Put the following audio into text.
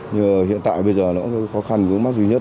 nhưng hiện tại bây giờ nó cũng khó khăn vướng mắt duy nhất